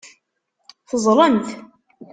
Teẓẓlemt.